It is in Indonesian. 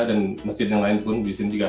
dan masjid yang lain pun disini juga